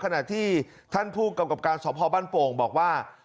ขณะที่ท่านผู้กรรมการสมภาพบ้านโป่งบอกว่า